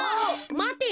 まてよ。